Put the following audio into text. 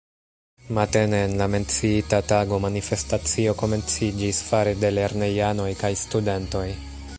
Matene en la menciita tago manifestacio komenciĝis fare de lernejanoj kaj studentoj.